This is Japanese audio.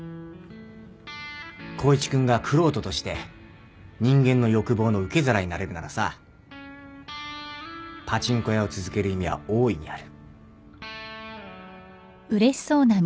光一君が玄人として人間の欲望の受け皿になれるならさパチンコ屋を続ける意味は大いにある